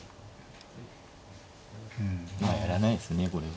まあやらないですねこれは。